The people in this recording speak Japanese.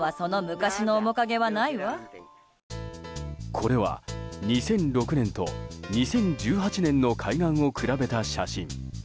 これは２００６年と２０１８年の海岸を比べた写真。